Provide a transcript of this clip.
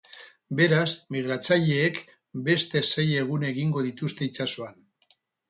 Beraz, migratzaileek beste sei egun egingo dituzte itsasoan.